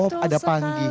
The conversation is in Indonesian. oh ada panggi